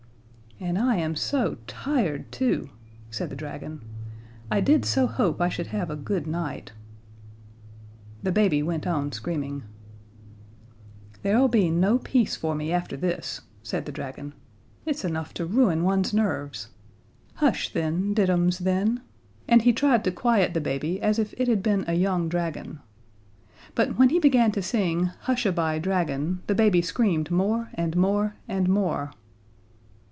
"And I am so tired too," said the dragon. "I did so hope I should have a good night." The baby went on screaming. "There'll be no peace for me after this," said the dragon. "It's enough to ruin one's nerves. Hush, then did 'ums, then." And he tried to quiet the baby as if it had been a young dragon. But when he began to sing "Hush a by, Dragon," the baby screamed more and more and more.